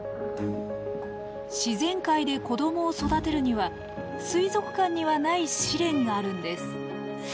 自然界で子どもを育てるには水族館にはない試練があるんです。